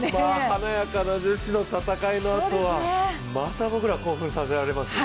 華やかな女子の戦いのあとは、また僕ら興奮させられますよ。